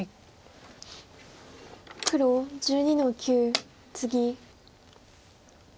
黒１２の九ツギ。